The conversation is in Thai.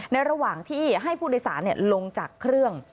ระหว่างที่ให้ผู้โดยสารลงจากเครื่อง